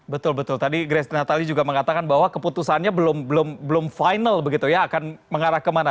betul betul tadi grace natali juga mengatakan bahwa keputusannya belum final begitu ya akan mengarah kemana